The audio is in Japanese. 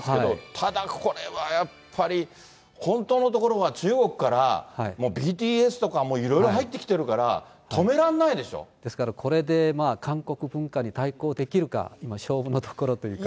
ただこれは、やっぱり、本当のところは、中国からもうＢＴＳとかいろいろ入ってきてるから、ですから、これで韓国文化に対抗できるか、今、勝負のところというか。